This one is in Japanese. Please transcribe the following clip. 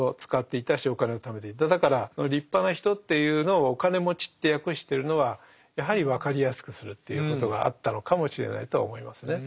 だから立派な人っていうのをお金持ちって訳してるのはやはり分かりやすくするということがあったのかもしれないとは思いますね。